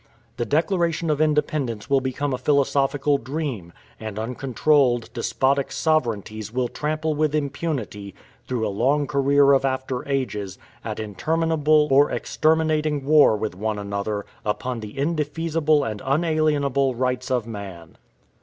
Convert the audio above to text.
The Declaration of Independence will become a philosophical dream, and uncontrolled, despotic sovereignties will trample with impunity, through a long career of after ages, at interminable or exterminating war with one another, upon the indefeasible and unalienable rights of man.